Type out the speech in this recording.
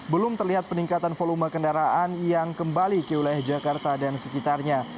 belum terlihat peningkatan volume kendaraan yang kembali ke wilayah jakarta dan sekitarnya